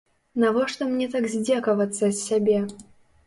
Навошта мне так здзекавацца з сябе?